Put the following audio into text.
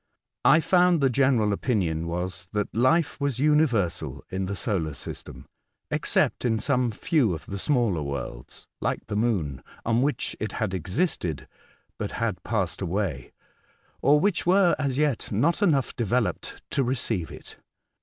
I found the general opinion was that life was universal in the solar system, except in some few of the smaller worlds (like the moon) on which it had existed, but had passed away, or which were, as yet, not enough developed to receive it.